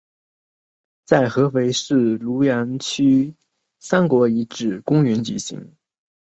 在合肥市庐阳区三国遗址公园举行。